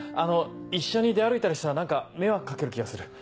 一緒に出歩いたりしたら何か迷惑掛ける気がする。